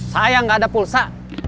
sayang gak ada pulsa